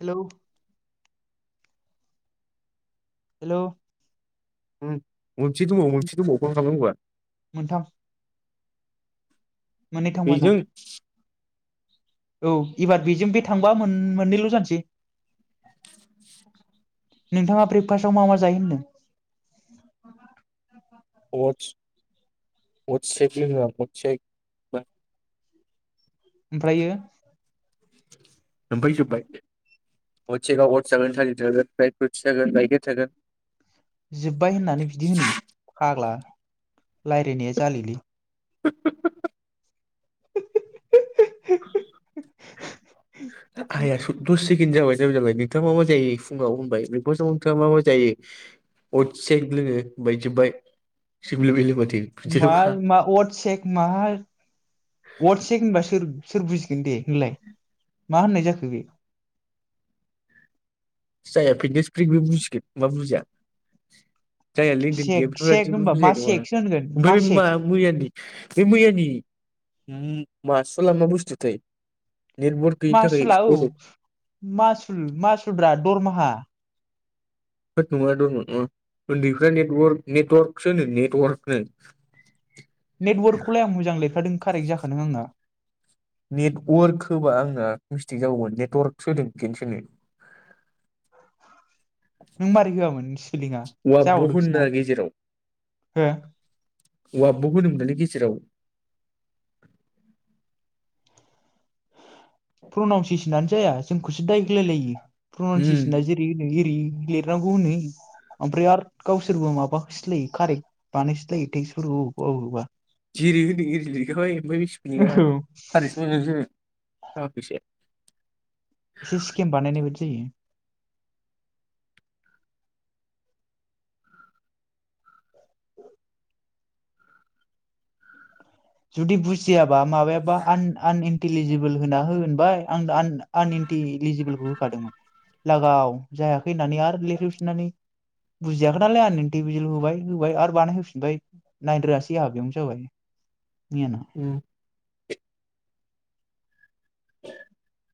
Hello hello उम [inaudible] मोनसे दङा मोनसे दंबावो फन खालामांगौ मोनथाम मोननै थांबायना बेजों औ एबार बेजों बे थांबा मोन मोननैल' जानोसै नोंथाङा ब्रेकफास्टआव मा मा जायो होनदों अदस अदसेख ओमफ्रायो मोनफैजोबबाय वटसेकआव वट्स थागोन थालिर थागोन फ्राय इ फ्रुइतस थागोन गाइखेर थागोन जोब्बाय होननानै बिदि होनो फाग्ला लाइरायनाया जालेलै [inaudible] आइया दसे सेकेण्ड जाबाय ताइम जाबाय नोंथाङा मा मा जायो फुङाव होनबाय बेखौसो उलथा मा मा जायो अदस लोङो होमबाय जोबबाय [unintelligible] मा मा अरद सेक माहा अरद सेक होनबा सोर सोर बुजिगोन दे होनलाय मा होननाय जाखो बे [unintelligible] बे बुजिगोन मा बुजिया [inaudible] जायहा लेनडेन सेक गैया सेक बेफोरबादिबो होनबा मा बुजाय नङा सेकसो होनगोन ओमफ्राय बे मा सेक मैयानि बे मैयानि ओम [unintelligible] मा बुस्थु थाय मासुला औ मासुल मासुल ब्रा दरमाहा होद नङा दरमाहा नङा उन्दैफ्रा नेथवारक नेटवार्कसो नेटवार्कनो नेटवार्कखौलाय आं मोजां लेरखादों कारेक्ट जाखादों आंना नेटवारक होबा आंना मिस्टेक जागौमोन नेटवार्कसो होदों खेबसेनो नों मारै होआमोन सिपिलिंआ वाबब' होना जाबावदोंसोना गेजेराव हो वाब' होदों होनदोंलै गेजेराव प्रनाउनसिसनानो जाया जोंखौसो दाय होलायलायो उम प्रनाउनसियेसना जेरै होदों एरै लिरनांगौ होनो ओमफ्राय आरो गावसोरबो माबा होलायो कारेक्ट बानायफिनलायो टेक्सफोरफोरखौ अबेखौबा अबेखौबा जेरै होदों एरै लिरखाबाय ओमफ्राय बिसिफिनना अबेबा [unintelligible] [unintelligible] एसे स्किम बानायनाय बादि जायो जुदि बुजिया बा माबायाबा आन आन इन्टिलिजिबोल होना हो होनबाय आं आन इन्टि इलिजिबोलखौ होखादोंमोन लागाव जायाखै होननानै आरो लिरहोफिननानै बुजियाखै नालाय आन इन्टिजिबोल होबाय होबाय आरो बानायहोफिनबाय नायनो रोङासै आंहा बेयावनो जाबाय मैयाना उम [inaudible]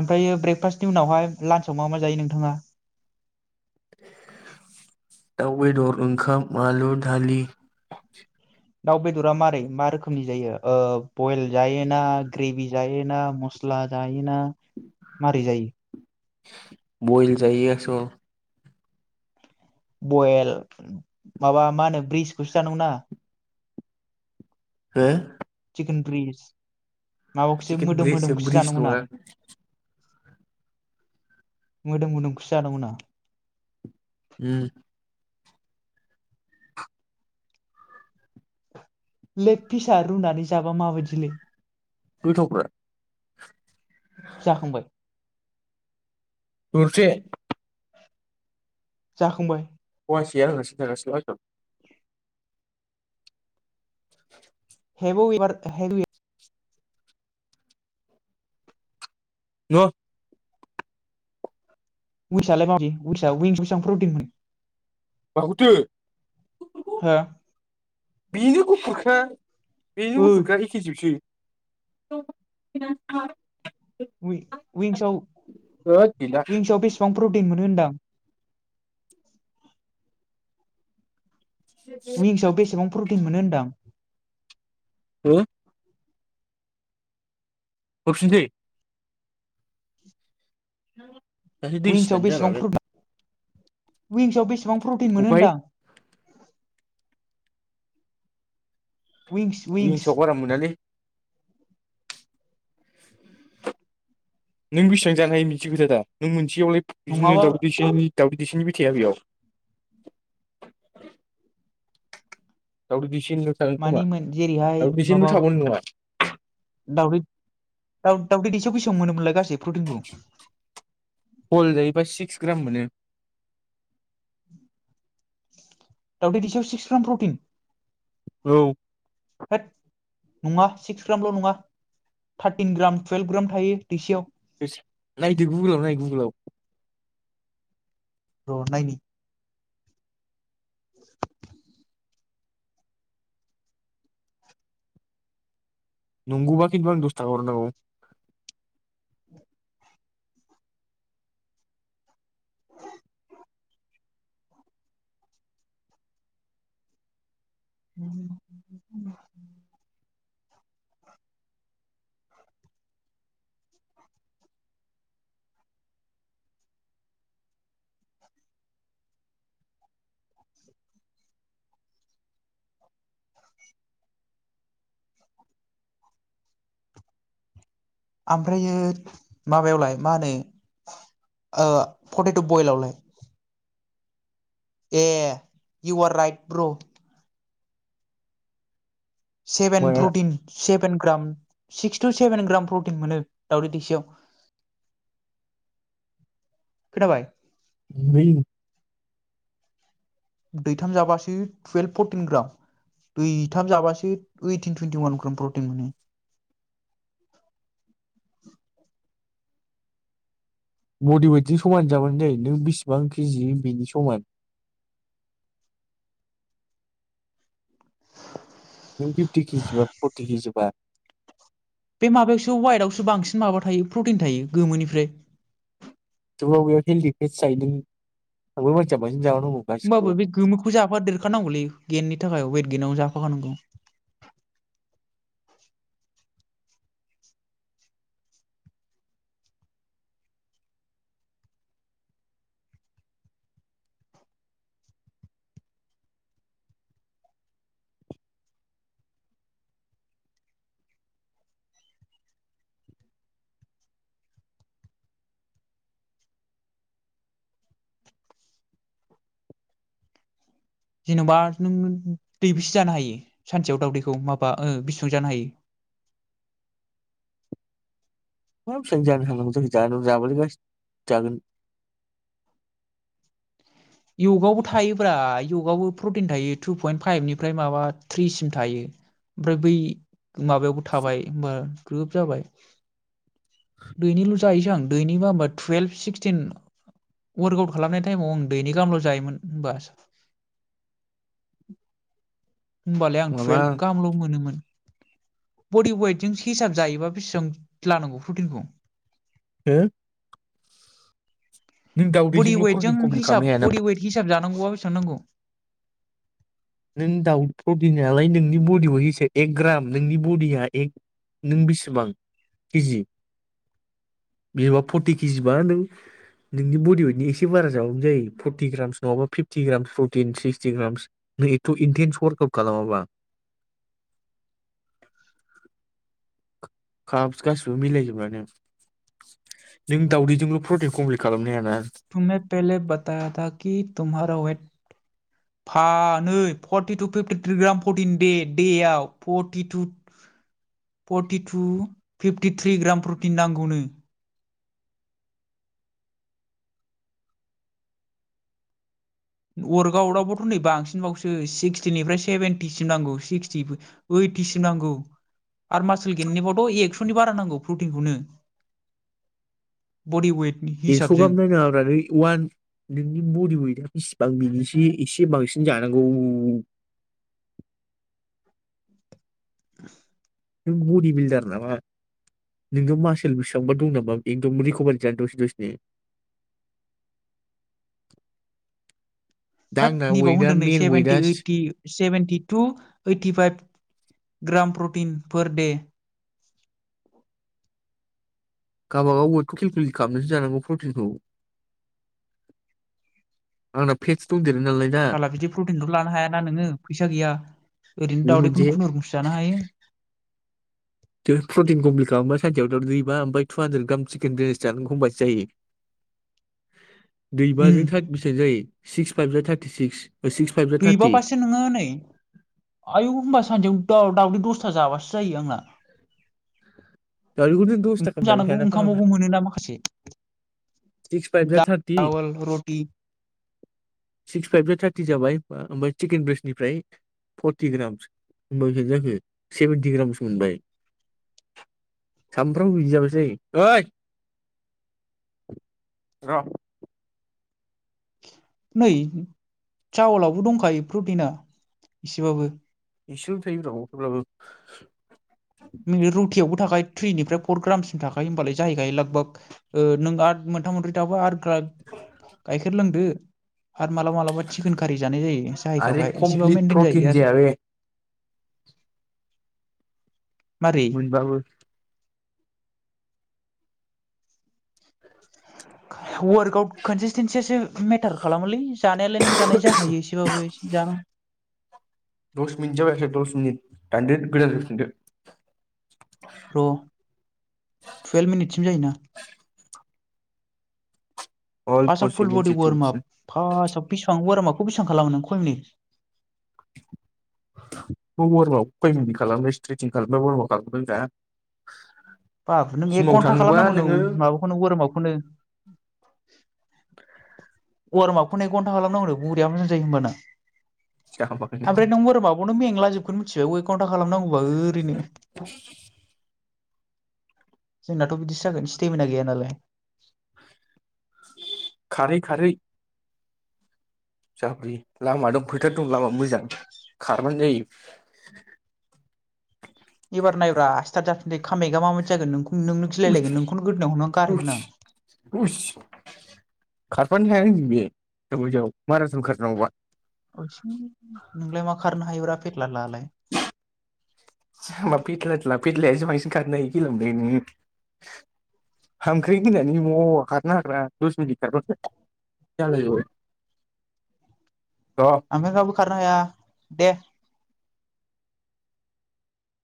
ओमफ्रायो ब्रेकफास्टनि उनावहाय लान्चआव मा मा जायो नोंथाङा दाउ बेदर ओंखाम आलु दालि दाउ बेदरा मारै मा रोखोमनि जायो बयल जायोना ग्रेभि जायोना मस्ला जायोना मारै जायो बयल जायो बयेल माबा मा होनो ब्रिजखौसो जानांगौ ना हो चिक्रिस माबाखौसो चिकेन मोदोम ब्रिसो मोदोमखौसो ब्रिस जानांगौ ना नङा मोदोम मोदोमखौसो जानांगौना उम लेग फिसा रुनानै जाबा माबायदिलै गोथावब्रा जाखांबाय दरसे जाखांबाय [unintelligible] [inaudible] हेबौ इबार न [unintelligible] माखौथो हा बिनो गुफुरखा बेनो गुफुरखा एखेजोबसो [unintelligible] विं होद गैला विंसाव बेसेबां प्रटिन मोनो होनदों आं? विंसाव बेसेबां प्रटिन मोनो होनदां? हो हरफिननिसै औ दाख्लै दै उइंसआव सिनानै जालालै। विंसाव बेसेबां प्रटिन मोनो ओमफ्राय होनदां? विंस विंस विंसाव बारा मोनालै। नों बेसेबां जानो हायो बिनिसो खोथा दा नों मोन एसेयावलाय बिदिनो नङाबा दावउदै दैसेयानो दाउदै दैसेनि थाया बेयाव दावदै दै सेनिबो थाङो खोमा मानि मोन जेरैहाय आरो माबा दैसेनिबो थाबावनाय नङा। दावदै दावदै दैसेयाव बेसेबां मोनोमोनलाय गासै प्रटिनखौ बल जायो बा सिक्स ग्राम मोनो। दउदै दैसेयाव सिक्स ग्राम प्रटिन औ होद नङा सिक्स ग्रामल नङा थारटिन ग्राम टुवेल्भ ग्राम थायो दैसेयाव। नायदो गुगोलाव नाय गुगोलाव र नायनि [unintelligible] नंगौबा खिन्थु आंनो दसथाखा हरनांगौ। [unintelligible] [unintelligible] आमफ्रायो माबायावलाय मा होनो पटेट बयेलावलाय? ए इउ आर राइट ब्र सेभेन माया प्रटिन सेभ सिक्स टु बेसेन ग्राम प्रटिन मोनो दावदै दैसेयाव खोनाबाय? उमलै उम दैथाम जाबासो टुयेल्भ फरटिन ग्राम दैथाम जाबासो ओइटिन टुइन्टि अवान ग्राम प्रटिन मोनो। बदि अवेटजों समान जाबानो जायो नों बिसिबां केजि बेनि समान नों फिफथि खिजिबा फरथि खिजिबा बे माबायावसो वाइटआवसो बांसिन माबा थायो प्रटिन थायो गोमोनिफ्राय थेवबाबो बेयाव हेलदि प्रतिन थायो। आंबो मिथियामोन। होमबाबो बे गोमोखौ जा आफा देरखानांगौलै गेेननि थाखाय गिनाव जाफाखानांगौ। जेन'बा नों दै बिसे जानो हायो सानसेयाव दाउदैखौ माबा बिसेबां जानो हायो। मा बेसेबां जानो हांगोन जों जा जाबालाय गासिबो जागोन। यगावबो थायोब्रा यगावबो प्रटिन थायो टु पइन्ट फाइभनिफ्राय माबा थ्रिसिम थायो ओमफ्राय बै माबायावबो थाबाय हमबा ग्रोब जाबाय दैनैल' जायो जानो दैनिबा हबा टुयेल्भ सिक्सटिन वार्क आउट खालामनाय टाइम आव आं दैनैगाहामल' जायोमोन। होमबालाय आं माबा टुयेल्भ गाहामल' मोनोमोन। बडि वेटजों हिसाब जायोबा बेसेबां लानांगौ प्रटिनखौ हो नों बडि दाउदैजोंल' वेटजों प्रटिन कमप्लिट खालामनो हिसाब हायाना बडि वेत हिसाब जानांगौबा बिसां नांगौ। नों दाउ प्रटिन नालाय नोंनि बडियाव एसे एक ग्राम नोंनि बडिया एक नों बेसेबां किजि बिदिबा फर्टि केजिबा नों नोंनि बडिवेटनि एसे बारा जाबाबानो जायो फर्टि ग्रामस नङाबा fifty grams protein sixty grams नों एथ' इन्टेन्स वार्कआउट खालामाबा काप गासिबो मिलायजोबानो नों दाउदैजोंल' प्रटिन कमप्लिट खालामनो हायाना। तुमने फेहेले बातायाता कि तुमहारा वेट फानै फरटि फिफटिथ्रि ग्राम प्रटिन दे देआव forty two forty two fifty three gram protein नांगौनो। वरकआउट आवबोथ' नै बांसिनबावसो सिक्सटिनिफ्राय सेभेेनटिसिम नांगौ सिक्सटि ओइटिसिम नांगौ। आरो मासल गिटनिखौथ' एकस बारा नांगौ पप्रटिनखौनो बबि अइट एकस' गाहाम नायनाङाब्रा नै अवान नोंनि बडि वेटआ बेसे। बां बिनिसो एसे बांसिन जानांगौ। [unintelligible] नों बडि बिल्दार नामा नोङो मासेल लुस्रांबा दं नामा एकदम रिकभारि जानो दसे दसेनो। दा होत आंना निबाव वेटआ होनदों नैइ मेन वेटआ seventy eighty seventy two eighty five gram protein per दे [unintelligible] गावाबागाव वेटखौ केलकुलेट खालामनोसो जानांगौ प्रटिनखौ आंना फेटस दंदेर [unintelligible] बिदि प्रटिनखौथ' लानो हायाना नोंङो फैसा गैया ओरैनो बेबो मोनसे दाउदैखौनो खुनुरुखुमस जानो हायो। प्रटिन कमप्लेट दुय माह [unintelligible] हानद्रेद गाहाम [unintelligible] उम जायो। [unintelligible] [unintelligible] जा दैबा थार्टि पारसेन्ट नंङा हनै आयु होमबा [unintelligible] दावदै दसथा जाबासो जायो आंना दा बेखौ नों दसथा गाहाम ओंखाम जानो जानांगौ हायाना फाग्ला ओंखामावबो मोनोना माखासे दा चावल रटि [unintelligible] [unintelligible] ओमबा बेसे ग्राम जाखो सानफ्रोमबो बिदि जाबासो जायो। र नै चावलावबो दंखायो प्रटिना इसेबाबो। इसेल' थायोबाव थेब्लाबो न रुटियावबो थाखाय थ्रिनिफ्राय फर ग्रामसिम थाखायो होनबालाय जाहैखायो लागबाग ओ नों आरो मोनथाम मोनब्रै थाबाय आरो [unintelligible] गायखेर लोंदो आरो मालाबा मालाबा चिकेन खारि जानाय जायो आरे जाहैखाबाय एसेबा कमप्लिट मेनटेन प्रटिन जाहोयो आरो जाया बे मारै मोन बाबो वार्कआउट कनसिसटेनसियासो मेटार खालामोलै जानायालाय नों जानाय जाखायो एसेबाबोसे जा दस मिनिट जाबायसो [unintelligible] र' टुवेल मिनिट सिम जायोना अल फास्स्टआव फुल पसिबोल बडि सिटुवेसन वरमाप फास्आव बेसिबां वारमाप [unintelligible] [unintelligible] [unintelligible] जिमाव थाङोबा नोङो ववारमापखौनो घन्टा खालामनांगौ बुरिया मोजां जायो होमबाना जाबाय ओमफ्राय नों वारमारगयावनो मेंला जोब [unintelligible] [unintelligible] जोंनाथ' बिदिसो जागोन स्टेमिना गैया नालाय खारै - खारै [unintelligible] फैथार दं लामा मोजां खाार [unintelligible] ओरै नायब्रा स्टरत [unintelligible] नोंनो उस गिलायलायगोन नोंखौनो गोदोना हमना उस गारहैगोन आं उस खारफानो हानाय नङा बे दाबादियाव माराथन खारनांगौबा आयसो नोंलाय मा खारनो हायोब्रा फेतला ला लाय बेटलायासो बांसिन खारनो हायो खेला ओमफ्राय हांमख्रें होननानै न खारनो हाग्राङा दस मिनिट खार आङो [unintelligible] खारनो हाया दे